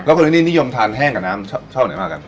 แล้วคนที่นี่นิยมทานแห้งกับน้ำชอบไหนมากกัน